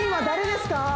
誰ですか？